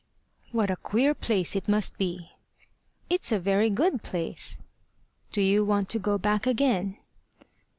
"What a queer place it must be!" "It's a very good place." "Do you want to go back again?"